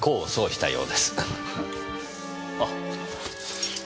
あっ。